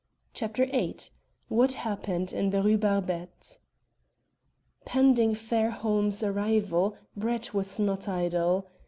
CHAPTER VIII WHAT HAPPENED IN THE RUE BARBETTE Pending Fairholme's arrival, Brett was not idle.